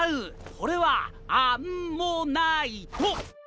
これはアンモナイト！